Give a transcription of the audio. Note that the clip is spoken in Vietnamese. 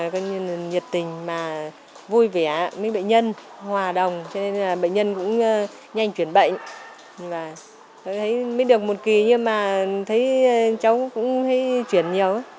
coi như là nhiệt tình mà vui vẻ mấy bệnh nhân hòa đồng cho nên là bệnh nhân cũng nhanh chuyển bệnh và mới được một kỳ nhưng mà thấy cháu cũng chuyển nhiều